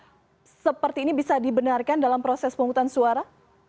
apakah seperti ini bisa dibenarkan dalam proses pemungutan suara